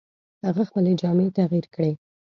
هغه خپلې جامې تغیر کړې.